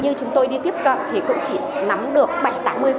như chúng tôi đi tiếp cận thì cũng chỉ nắm được bảy mươi tám mươi